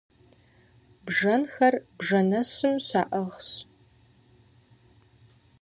Бжэнхэр бжэнэщым щаӏыгъщ.